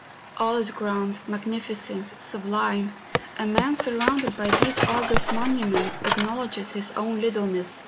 All is grand, mag¬ nificent, sublime; and man surrounded by these august monuments, acknowledges his own littleness r t I'liK I'.